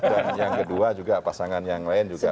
dan yang kedua juga pasangan yang lain juga